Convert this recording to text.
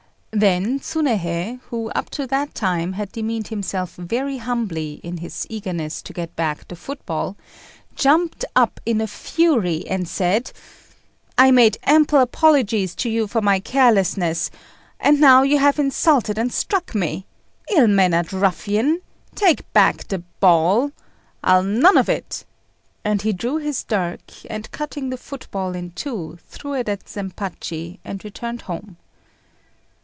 Then Tsunéhei, who up to that time had demeaned himself very humbly, in his eagerness to get back the football, jumped up in a fury, and said "I made ample apologies to you for my carelessness, and now you have insulted and struck me. Ill mannered ruffian! take back the ball, I'll none of it;" and he drew his dirk, and cutting the football in two, threw it at Zempachi, and returned home.